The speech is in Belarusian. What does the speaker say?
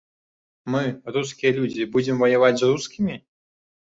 Мы, рускія людзі, будзем ваяваць з рускімі?